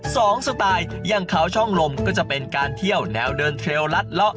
สไตล์อย่างเขาช่องลมก็จะเป็นการเที่ยวแนวเดินเทรลัดเลาะ